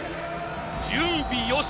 準備よし！